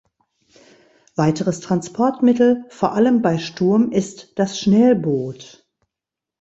Weiteres Transportmittel, vor allem bei Sturm, ist das Schnellboot.